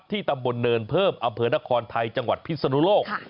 ตำบลเนินเพิ่มอำเภอนครไทยจังหวัดพิศนุโลก